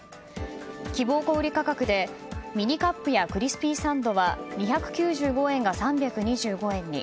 希望小売価格でミニカップやクリスピーサンドは２９５円が３２５円に。